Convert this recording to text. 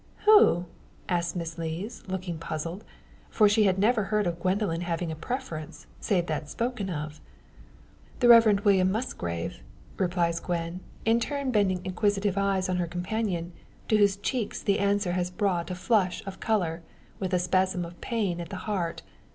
"Who?" asks Miss Lees, looking puzzled. For she has never heard of Gwendoline having a preference, save that spoken of. "The Reverend William Musgrave," replies Gwen, in turn bending inquisitive eyes on her companion, to whose cheeks the answer has brought a flush of colour, with a spasm of pain at the heart.